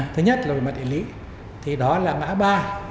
thứ nhất là về mặt địa lý thì đó là mã ba